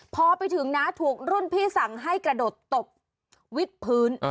พอไปถึงนะถูกรุ่นพี่สั่งให้กระโดดตบวิทย์พื้น